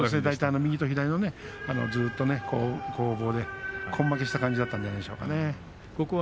右と左のずっと攻防で根負けした感じだったんじゃないでしょうか。